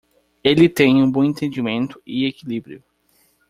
Ele tem um bom entendimento e equilíbrio